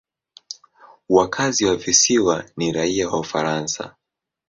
Wakazi wa visiwa ni raia wa Ufaransa.